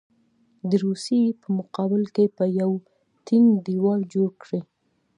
د روسیې په مقابل کې به یو ټینګ دېوال جوړ کړي.